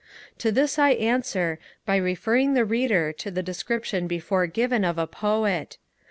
To this I answer by referring the Reader to the description before given of a Poet.